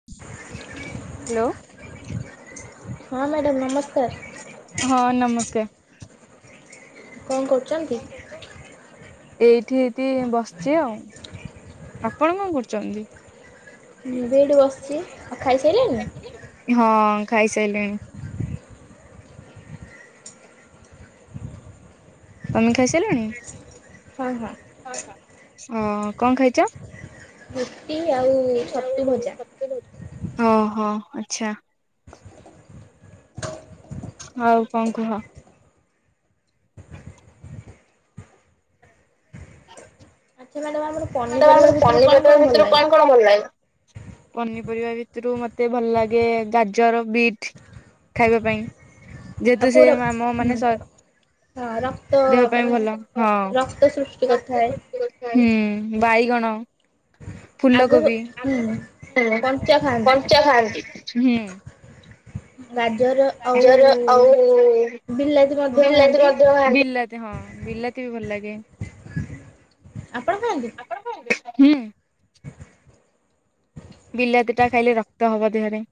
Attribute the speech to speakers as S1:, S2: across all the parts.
S1: [inaudible]
S2: Hello
S1: ହଁ madam ନମସ୍କାର।
S2: ହଁ ନମସ୍କାର।
S1: କଣ କରୁଚନ୍ତି?
S2: ଚାଲ୍ ଏଇଠି ଏଇଠି ବସିଛି ଆଉ ଆପଣ କଣ କରୁଚନ୍ତି?
S1: ମୁଁ ବି ଏଠି ବସିଚି ଆଉ ଖାଇସାଇଲେଣିି?
S2: ହଁ ଖାଇସାଇଲିଣି। ତମେ ଖାଇସାଇଲଣି?
S1: ହଁ ହଁ
S2: ଅଁ କଣ ଖାଇଚ?
S1: ରୁଟି ଆଉ ଛତୁ ଭଜା।
S2: ଓ ହୋ ଆଚ୍ଛା। ଆଉ କଣ କୁହ?
S1: [unintelligible]
S2: ପନିପରିବା ଭିତରୁ କଣ କଣ ଭଲ ଲାଗେ? ପନିପରିବା ଭିତରୁ ମତେ ଭଲ ଲାଗେ ଗାଜର, ବିଟ୍ ଖାଇବା ପାଇଁ। ଯେହେତୁ ସେ ଆମ ମାନେ ସ ଦେହ ପାଇଁ ଭଲ। ହଁ ହୁଁ-ବାଇଗଣ। ଫୁଲକୋବି କଞ୍ଚା ଖାଆନ୍ତି ହୁଁ।
S1: ରାଜର
S2: ଗାଜର ଆଉ ବିଲାତି [unintelligible] ହଁ ବିଲାତି ବି ଭଲ ଲାଗେ।
S1: ଆପଣ ଖାଆନ୍ତି?
S2: ହୁଁ ବିଲାତି ଟା ଖାଇଲେ ରକ୍ତ ହବ ଦେହରେ।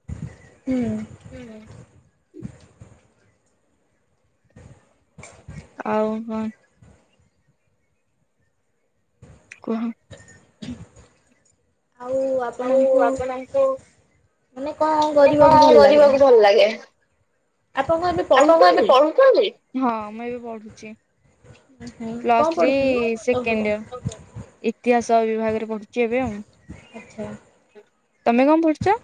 S1: ହୁଁ
S2: ହୁଁ ଆଉ ହଁ କୁହ?
S1: ଆଉ ଆପ୍
S2: ଆଉ ଆପଣାଙ୍କୁ ଆମେ କଣ ରରିବାକୁ ଭଲ ଲାଗେ?
S1: ଆପଣ କନ ଏବେ
S2: ଆପଣ କନ ଏବେ ପଢୁଚନ୍ତି? [unintelligible] Plus three second year. ଇତିହାସ ବିଭାଗରେ ପଢୁଚି ଏବେ ଆଉ।
S1: ଆଚ୍ଛା।
S2: ତମେ କଣ ପଢୁଚ?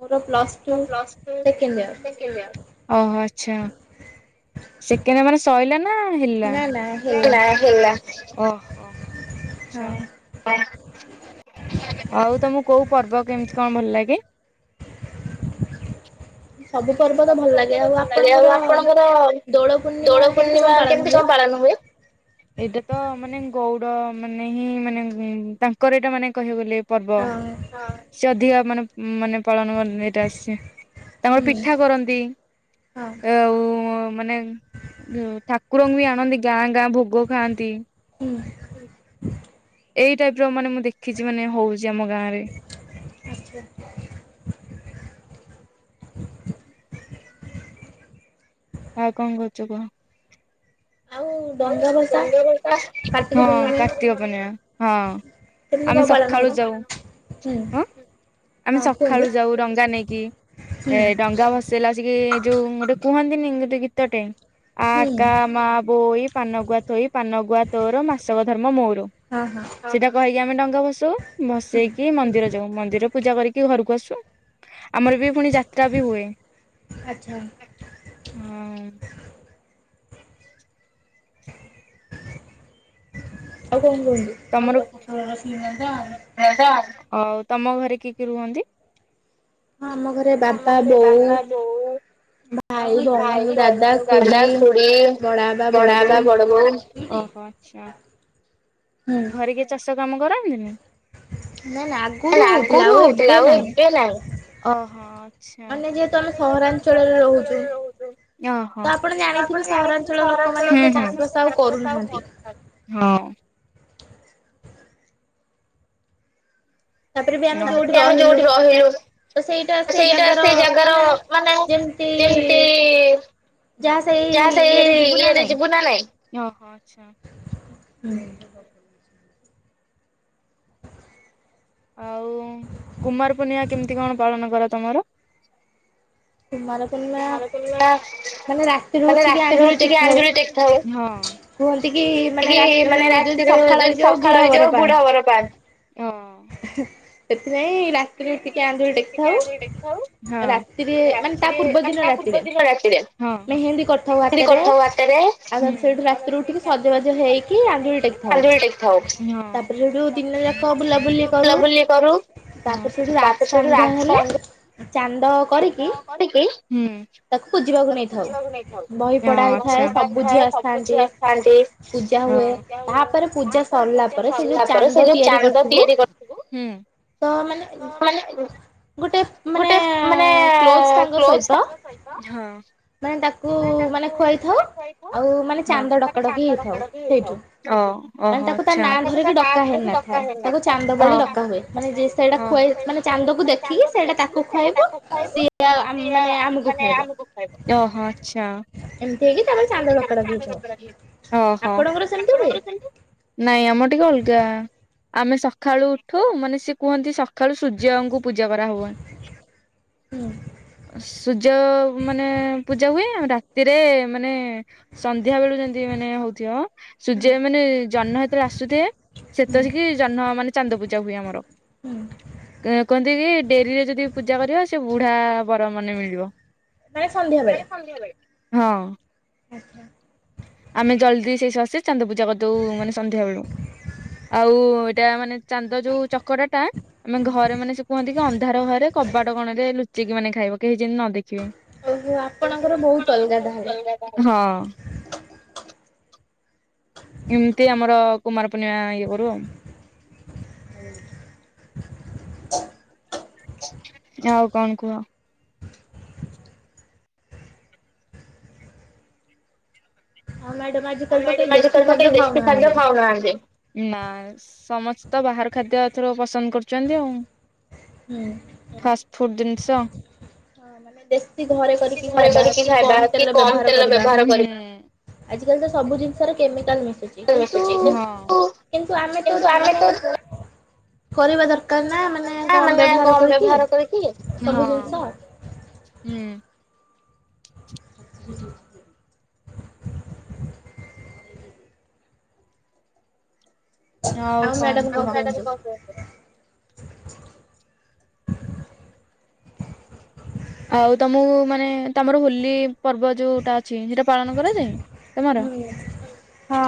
S1: ମୋର ପ୍ଲାସ୍
S2: ମୋ ପ୍ଲସ୍ ଟୁ ସେକେଣ୍ଡ ଡିଅର୍। ଓହୋ ଆଛା ସେ ସେକେଣ୍ଡ୍ ମାନେ ସଇଲା ନାଁ ହେଲା? ହେଲା
S1: ହଁ
S2: ଆଉ ତମକୁ କୋଉ ପର୍ବ କେମିତି କଣ ଭଲ ଲାଗେ? ସବୁ ପର୍ବ ତ ଭଲ ଲାଗେ ଆଉ ଆପଣଙ୍କର ଦୋଳ ପୂର୍ଣ୍ଣିମା କେମିତି କଣ ପାଳନ ହୁଏ? ଏଇଟା ତ ମାନେ ଗଉଡ ମାନେ ହିଁ ମାନେ ତାଙ୍କର ଏଇଟା ମାନେ କହିବାକୁ ଗଲେ ପର୍ବ ସେ ଅଧିକା ମାନେ ମାନେ ପାଳନ ଏଇଟା ଆସେ ତାଙ୍କର ପି କରନ୍ତି ଆଉ ମାନେ ଉ ଠାକୁରଙ୍କୁ ବି ଆଣନ୍ତି ଗାଁ ଗାଁ ଭୋଗ ଖାଆନ୍ତି।
S1: ହୁଁ
S2: ହୁଁ ଏଇ ଟାଇପି ର ମାନେ ମୁଁ ଦେଖିଛି ମାନେ ହଉଛି ଆମ ଗାଁ ରେ।
S1: ଆଛା
S2: ଆଉ କଣ କରୁଛ କୁହ।
S1: ଆଉ ଡଙ୍ଗା ଭସା କାର୍ତିକ ପର୍ଣ୍ଣମୀ। କେମିତି କଣ ପାଳନ ହୁଏ ହୁଁ।
S2: ଆମେ ସକାଳୁ ଯାଉ ଡଙ୍ଗା ନେଇକି ଏ ଡଙ୍ଗା ବସ ଦେଲା ବସିକି ଯୋଉ ଗୋଟେ କୁହନ୍ତିନି ଗୋଟେ ଗୀତଟେ ଆ କା ମା ବୋଇ। ପାନ ଗୁଆ ଥୋଇ ପାନ ଗୁଆ ତୋର ମାସକ ଧର୍ମ ମୋର ସେଇଟା କହିକି ଆମେ ଡଙ୍ଗା ବସଉ ବସେଇକି ମନ୍ଦିର ଯାଉ ମନ୍ଦିର ପୂଜା କରିକି ଘରକୁ ଆସୁ। ଆମର ବି ପୁଣି ଯାତ୍ରା ବି ହୁଏ ହଁ
S1: ଆଉ କଣ କୁହନ୍ତୁ [unintelligible]
S2: ଆଉ ତମ ଘରେ କିଏ କିଏ ରୁହନ୍ତି? ହଁ ଆମ ଘରେ ବାପା ବୋଉ। ଭାଇ ଭଉଣୀ ଦାଦା ଖୁଡ଼ି ବଡବାପା ବଡ ବୋଉ। ଓହୋ ଆଚ୍ଛା ଘରେ କିଏ ଚାଷ କାମ କରନ୍ତିନି? ଆଗରୁ ହଉଥିଲା ଆଉ ଏବେ ନାହିଁ। ଓହୋ ଆଛା [unintelligible] [unintelligible]
S1: ତାପରେ ବି ଆମେ ଯୋଉଠି ରହିଲୁ। ତ ସେଇଟା ସେଇ ଜାଗାର ମାନେ ଯେମିତି ଯାହା ସେଇ ଇଏରେ ଯିବୁ ନା ନାଇଁ
S2: ଆଉ କୁମାର ପର୍ଣିମା କେମିତି କଣ ପାଳନ କର ତମର?
S1: କୁମାର
S2: କୁମାର ପର୍ଣ୍ଣିମା ତାହେଲେ ରାତିରୁ ଉଠିକି ଆଞଜୁଳି ଟେକା ହୁଏ। କୁହନ୍ତୁକି ମାନେ ରାତିରୁ ଯି ସକାଳ ହେଇଯଆ ବୁଢା ବର ପାନ୍ତି।
S1: ସେଥିପାଇଁ ରାତିରୁ ଉଠିକି ଆଞ୍ଜୁଳି ଟେକରିଥାଉ ରା ରାତିରେ ମାନେ ତା ପୂର୍ବ ଦିନ ରାତିରେ ମେହେନ୍ଦୀ କରିଥାଉ ହାତରେ ଆଉ ତା ରାତିରୁ ଉଠିକି ସଜ ବା
S2: [unintelligible] ବୁଲାବୁଲି କରୁ [unintelligible] ଚାନ୍ଦ କରିକି ହଁ। [unintelligible] ତାପରେ ପୂଜା ସରିଲା ପରେ ସେ ଯୋଉ ଚାନ୍ଦ ତିଆରି ହୁଁ
S1: ତ ମାନେ ଗୋଟେ ମାନେ କ୍ଲୋଜ ସାଙ୍ଗ ସହିତ ମାନେ ତାକୁ ମାନେ ଖୁଆଇଥାଉ ଆଉ ମାନେ ଚାନ୍ଦ ଡକ ଡକି ହେଇଥାଉ ସେଇଠୁ ମାନେ ତାକୁ ତା ନାଁ ଧରିକି ଡକା ହେନଥାଏ ତାକୁ ଚାନ୍ଦ ଡକାହୁଏ ମାନେ ସେଇଟା ଖୁଆଇ ମାନେ ଚାନ୍ଦ କୁ ଦେଖିକି ସେଇଟା ତାକୁ ଖୁଆଇବୁ ସିଏ
S2: ଓହୋ ଆଚ୍ଛା।
S1: ଏମିତି ହେଇକି ତାପରେ ଚାନ୍ଦ ଲକଡା ଦେଇଥାଉ।
S2: ଓହୋ। ନାଇଁ ଆମର ଟିକେ ଅଲଗା ଆମେ ସକାଳୁ ଉଠୁ ମାନେ ସେ କୁହନ୍ତି ସକ୍ କାଳୁ ସୂର୍ଯ୍ୟଙ୍କୁ ପୂଜା କରା ହୁଏ। ସୂର୍ଯ୍ୟ ମାନେ ପୂଜା ହୁଏ ଆଉ ରାତିରେ ମାନେ ସନ୍ଧ୍ୟା ବେଳୁ ଯେମତି ମାନେ ହଉଥିବେ ମ ସୂର୍ଯ୍ୟ ମାନେ ଜହ୍ନ ସେତେବେଳେ ଆସୁଥିବେ ସେତେ ବସିକି ଜହ୍ନ ମାନେ ଚାନ୍ଦ ପୂଜା ହୁଏ ଆମର।
S1: ହୁଁ।
S2: କୁହନ୍ତି କି ଡେରିରେ ଯଦି ପୂଜା କରିବ ସେ ବୁଢା ବର ମାନେ ମିଳିବ। ହଁ।
S1: ଆଚ୍ଛା।
S2: ଆମେ ଜଲଦି ସେଇ ସବୁ ବସି ଚାନ୍ଦ ପୂଜା କରିଦଉ ମାନେ ସନ୍ଧ୍ୟା ବେଳୁ। ଆଉ ଏଇଟା ମାନେ ଚାନ୍ଦ ଯୋଉ ଚକରାଟା ମାନେ ଘରେ ମାନେ ସେ କୁହନ୍ତି କି ଅନ୍ଧାର ଘରେ କବାଟ କଣରେ ଲୁଚିକି ମାନେ ଖାଇବ କେହି ଯେମତି ନ ଦେଖିବେ।
S1: ଓ ହୋ, ଆପଣଙ୍କର ବହୁତ ଅଲଗା ତାହାହେଲେ।
S2: ହଁ। ଏମତି ଆମର କୁମାର ପୂର୍ଣ୍ଣିମା ଇଏ କରୁ ଆଉ।
S1: ହ
S2: ଆଉ କଣ କୁହ?
S1: ହଁ ମ୍ୟାଡମ୍ ଆଜ୍
S2: ହଁ ମ୍ୟାଡମ୍ [unintelligible] କେହି ଦେଶୀ ଖାଦ୍ୟ ଖାଉ ନାହାନ୍ତି। ନା ସ ସମସ୍ତ ବାହାର ଖାଦ୍ୟ ଏଥର ପସନ୍ଦ କରୁଛନ୍ତି ଆଉ।
S1: ହୁଁ।
S2: ଫାଷ୍ଟ ଫୁଡ଼୍ ଜିନିଷ। ବେଶୀ ଘରେ କରିକି ଖାଇବା କି କମ ତେଲ ବ୍ୟବହାର କରି
S1: ଆଜି କାଲି ତ ସବୁ ଜିନିଷରେ କେମିକାଲ ମିଶୁଛି କିନ୍ତୁ କିନ୍ତୁ ଆମେ ତ ମାନେ କରିବା ଦର
S2: କରିବା ଦରକାର ନା ମାନେ କମ୍ ବ୍ୟବହାର କରିକି।
S1: ଗୁଜୁ
S2: ଆଉ କଣ କହୁ? ଆଉ ତମକୁ ମାନେ ତମର ହୋଲି ପର୍ବ ଯୋଉଟା ଅଛି ସେଇଟା ପାଳନ କରାଯାଏ ତମର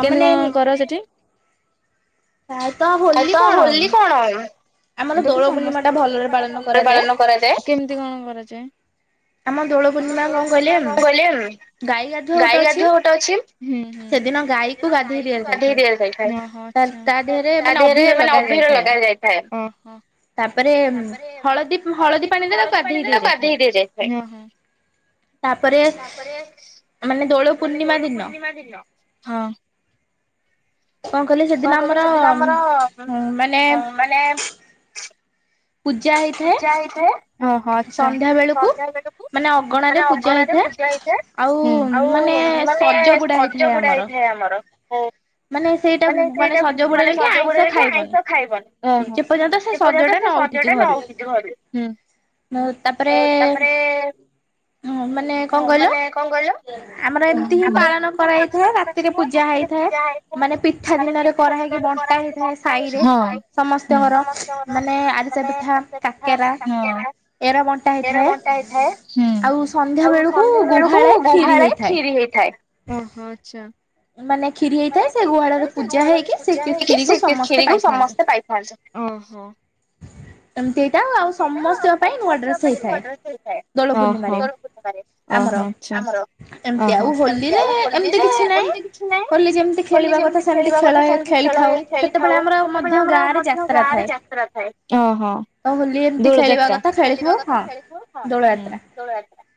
S2: କେମିତି କଣ କର ସେଠି? ଆଉ ତ ହୋଲି କଣ ଆଉ? ଏଇଟା ତ ସମସ୍ତଙ୍କ ଦୋଳ ପୂର୍ଣ୍ଣିମା ଟା ଭଲରେ ପାଳନ କରାଯାଏ। ଆମର ଦୋଳ ପୂର୍ଣ୍ଣିମା କଣ କହିଲେ ଗାଈ ଗାଧୁଆ ଗୋଟେ ଅଛି। ସେଦିନ ଗାଈକୁ ଗାଧେଇ ଦିଆ ଯାଇଥାଏ। ତା ତା ଦେହରେ ମାନେ ଅଭୀର ଲଗା ଯାଇଥାଏ।
S1: ତାପରେ
S2: ତାପରେ ହଳଦୀ ହଳଦୀ ପାଣିରେ ଗାଧେଇ ଦିଆଯାଇଥାଏ।
S1: ତାପରେ ମାନେ ଦୋଳ ପୂର୍ଣ୍ଣିମା ଦିନ
S2: ସେଦିନ ହଁ। କଣ କହିଲେ ସେଦିନ ଆମର ହଁ ମାନେ
S1: ପୂଜା ହେଇ
S2: ପୂଜା ହେଇଥାଏ। ଓହୋ ଆଚ୍ଛା ସନ୍ଧ୍ୟା ବେଳକୁ ମାନେ ଅଗଣା ରେ ପୂଜା ହେଇଥାଏ। ଆଉ ମାନେ ସଜ ବୁଡା ହେଇଥାଏ ଆମର ହ ମାନେ ସେଇଟା ମାନେ ସଜ ବୁଡରେ କି ଆଇଁଷ ଖାଇବନି ସେପର୍ଯ୍ୟନ୍ତ ସେ ଯୋଉଟା ନ ଉଠିଥିବ ଘରେ ତ ତାପରେ ହଁ ମାନେ କଣ କହିଲ? [unintelligible] ରାତିରେ ପୂଜା ହେଇଥାଏ। ମାନେ ପିଠା ଦିନରୁ କରାହେଇକି ବଣ୍ଟା ହେଇଥାଏ। ସମସ୍ତଙ୍କର ମାନେ ଆରିସା ପିଠା କାକରା ସେରା ବଣ୍ଟା ହେଇଥାଏ ଆଉ ସନ୍ଧ୍ୟା ବେଳକୁ ଗୁହାଳେ ଖିରି ହେଇଥାଏ। ଓହୋ ଆଚ୍ଛା। ମାନେ କ୍ଷିରି ହେଇଥାଏ ସେ ଗୁହାଳରେ ପୂଜା ହେଇକି ସେ କ୍ଷିରିକୁ ସମସ୍ତେ ପାଇଥାନ୍ତୀ। ଓହୋ।
S1: ଏମିତି
S2: ସେମିତି ହେଇଥାଏ ଆଉ ସମସ୍ତ ଙ୍କ ପାଇଁ ନୂଆ ଡ୍ରେସ ହେଇଥାଏ ଓହୋ ସରସ୍ଵତି ପୂଜା ରେ ଓହୋ ଆମର ଆଚ୍ଛା। ଓହୋ ଏମତି ଆଉ ହୋଲି ରେ ଏମତି କିଛି ନାହିଁ ବୋଲି ଯେମିତି ଖେଳିବା କଥା ସେମିତି ଖେଳିଥାଉ ସେତେବେଳେ ଆମର ଆଉ ମଧ୍ୟ ଗାଁ ରେ ଯାତ୍ରା ଥାଏ ଓହୋ। ଦୋଳଯାତ୍ରା ଦୋଳି ଯେମିତି ଖେଳିବା କଥା ଖେଳି ଥାଉ ହ ଦୋଳଯାତ୍ରା।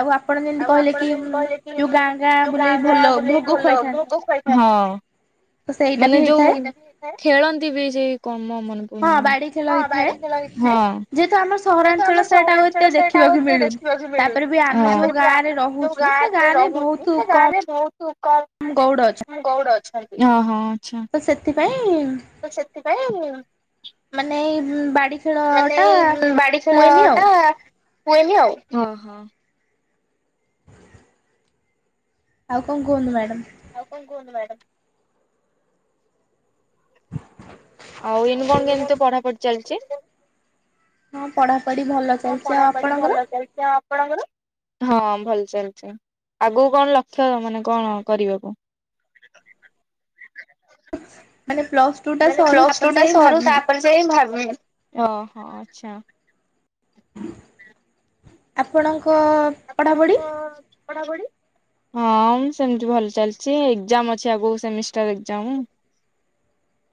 S1: ଆଉ ଆପଣ ଯେମିତି
S2: ଆଉ ଆପଣ ଯେମିତି କହିଲେ କି ମୁଁ ଗାଁ ଗାଁ ବୁ ଭଲ ଢୋଲ ଭୋଗ ଖାଇବା ପାଇ ହଁ ମାନେ ଯୋଉ ଖେଳନ୍ତି ବି ସେଇ କମ ମନ
S1: ହଁ ବାଡି ଖେଳ ହେଇଥାଏ ଯେହେତୁ ଆମର
S2: ଯେହତୁ ଆମର ସହରାଞ୍ଚଳ ସଇଟା ଦେଖି ବାକୁ ମିଳୁନି ଆମେ ଗାଁ ରେ ରହୁଛୁ ସେ ଗାଁ ରେ ବହୁତ କମ
S1: ଗୌଡ଼ ଅଛନ୍ତୀ।
S2: ଗୌଡ ଅଛନ୍ତି ହଁ ଆଛା ତ ସେଥିପାଇଁ
S1: ମାନେ ବାଡି
S2: ମାନେ ଏଇ ବାଡି ଖେଳ ଟା ହୁଏନି ଆଉ ଓହୋ।
S1: ଆଉ କଣ କୁହନ୍ତୁ ମ୍ୟାଡ଼ାାମ?
S2: ଆଉ କଣ କୁହନ୍ତୁ ମ୍ୟାଡାମ?
S1: [inaudible]
S2: ଆଉ ଏନୁ କଣ କେମିତି ପଢା ପଢି ଚାଲିଛି?
S1: ହଁ ପଢ଼ାପଢ଼ି ଭଲ ଚାଲିଛି ଆଉ ଆପଣଙ୍କର?
S2: ଆପଣଙ୍କର ହଁ ଭଲ ଚାଲିଛି। ଆଗକୁ କଣ ଲକ୍ଷ୍ୟ ମାନେ କଣ କରିବାକୁ।
S1: ମାନେ ପ୍ଲସ୍
S2: ମାନେ ପ୍ଲସ ଟୁ ଟା ସରୁ ତାପରେ ଯାଇଁ ଭାବିବି ଓହୋ ଆଚ୍ଛା।
S1: ଆପଣଙ୍କ
S2: ଆପଣଙ୍କ ପଢାପଢି। ହଁ ମୁଁ ସେମିତି ଭଲ ଚାଲିଛି ଏକ୍ଜାମ ଅଛି ଆଗକୁ ସେମିଷ୍ଟାର ଏକ୍ଜାମ
S1: [inaudible]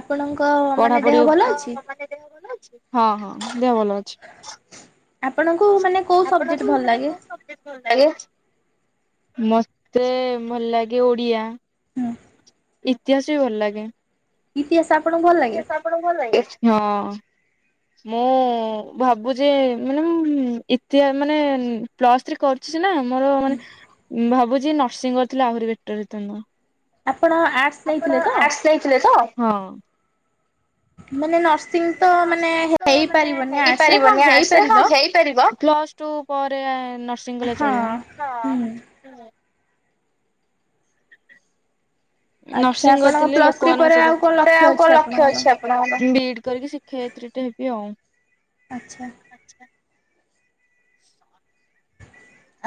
S1: ଆପଣଙ୍କ
S2: ପଢାପଢି ହଁ ହଁ ଦେହ ଭଲ ଅଛି।
S1: ଆପଣଙ୍କୁ ମାନେ କୋଉ ସବଜେକ୍ଟ ଭଲ ଲାଗେ।?
S2: ମତେ ଭଲ ଲାଗେ ଓଡିଆ। ଇତିହାସ ବି ଭଲ ଲାଗେ।
S1: ଇତିହାସ ଆପଣଙ୍କୁ ଭଲ ଲାଗେ?
S2: ଆପଣ ଙ୍କୁ ଭଲ ଲାଗେ? ହିଁ ମୁଁ ଭାବୁଛି ମାନେ ମୁଁ ଇତି ମାନେ ପ୍ଲସ୍ ଥ୍ରୀ କରୁଛି ନା ତମର ମାନେ ଭାବୁଛି ନର୍ସିଂ କରିଥିଲ ଆହୁରି ବେଟର ହେଇ ଥାଆନ୍ତା।
S1: ଆପଣ ଆ
S2: ଆପଣ ଆର୍ଟସ୍ ନେଇଥିଲେ ତ ହଁ।
S1: ମାନେ ନର୍ସିଂ ତ ମାନେ ହେଇପାରିବନି ଆର୍ଟସରେ ହଁ ହେଇପାରିବ।
S2: ହେଇପାରିବ ପ୍ଲୁସ ଟୁ ପରେ ନର୍ସିଙ୍ଗ କଲେ ଚଳିବ। ହଁ ନର୍ସିଂ କରିଥିଲେ ଲୋକମାନଙ୍କୁ ସ ଆଉ କଣ ଲକ୍ଷ୍ୟ ଅଛି ଆ ବିଡି କରିକି ଶିଖେଇତ୍ରି ଟେ ହେବି ଆଉ।
S1: ଆଚ୍ଛା।
S2: ଆଚ୍ଛା।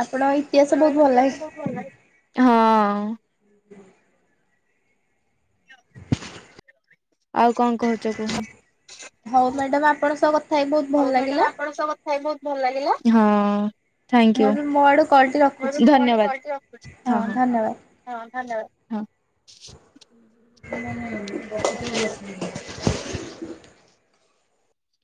S1: ଆପଣ ଇତିହାସ ବହୁତ ଭଲ ଲେ
S2: ହଁ
S1: [unintelligible]
S2: ଆଉ କଣ କହୁଛ କୁହ?
S1: ହଉ ମ୍ୟାଡାମ ଆପଣଙ୍କ ସହ କଥା ହେଇ ବହୁତ ଭଲ ଲାଗିଲା।
S2: ଖାଇ ବହୁତ ଭଲ ଲାଗିଲା। ହଁ ଥ୍ୟାଙ୍କୟୁ, ଧନ୍ୟବାଦ ହଁ ହଁ ଧନ୍ୟ
S1: [unintelligible]